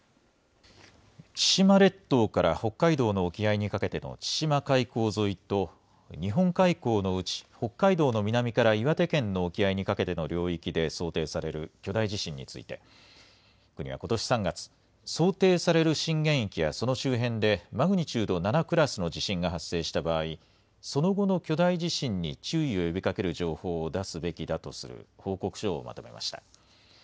千島列島から北海道の沖合にかけての千島海溝沿いと、日本海溝のうち北海道の南から岩手県の沖合にかけての領域で想定される巨大地震について、国はことし３月、想定される震源域やその周辺でマグニチュード７クラスの地震が発生した場合、その後の巨大地震に注意を呼びかける情報を出すべきだとする報告書をまとめました。